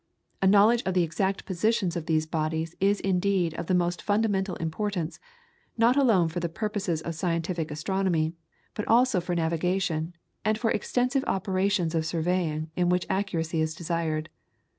A knowledge of the exact positions of these bodies is indeed of the most fundamental importance, not alone for the purposes of scientific astronomy, but also for navigation and for extensive operations of surveying in which accuracy is desired.